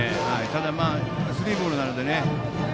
ただ、スリーボールなので。